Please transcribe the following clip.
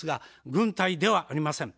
軍隊ではありません。